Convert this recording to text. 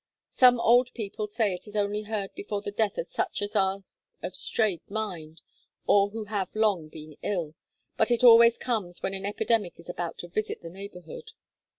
Some old people say it is only heard before the death of such as are of strayed mind, or who have long been ill; but it always comes when an epidemic is about to visit the neighbourhood.